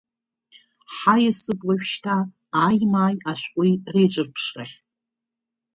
Ҳаиасып уажәшьҭа аимааи ашәҟәи реиҿырԥшрахь.